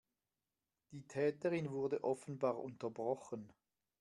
Die Täterin wurde offenbar unterbrochen.